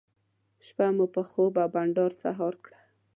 شپه مو په خوب او بانډار سهار کړه.